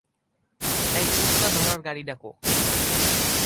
এই কুত্তা ধরার গাড়ি ডাকো।